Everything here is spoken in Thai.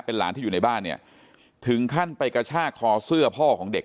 หลานที่อยู่ในบ้านเนี่ยถึงขั้นไปกระชากคอเสื้อพ่อของเด็ก